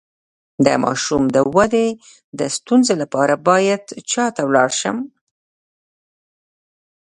د ماشوم د ودې د ستونزې لپاره باید چا ته لاړ شم؟